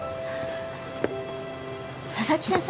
佐々木先生？